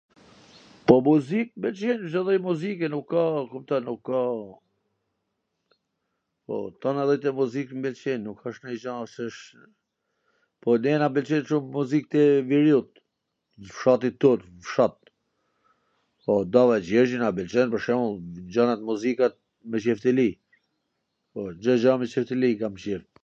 po, muzik, m pwlqen Cdo lloj muzike, nuk ka, a kupton, nuk ka... po, tana llojet e muziks m pwlqejn, nuk asht nanj gja se... po ne na pwlqen shum muzik e veriut, fshatit ton, fshat, po Dava Gjergji na pwlqen pwr shemull, gjanat, muzikat me Cifteli, po, Cdo gja me Cifteli kam qejf